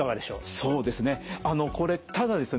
そうですね。